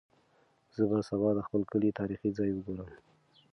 زه به سبا د خپل کلي تاریخي ځای وګورم.